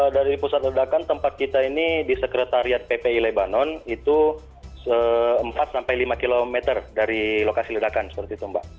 dari pusat ledakan tempat kita ini di sekretariat ppi lebanon itu empat sampai lima km dari lokasi ledakan seperti itu mbak